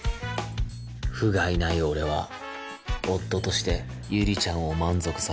ふがいない俺は夫としてゆりちゃんを満足させる事ができず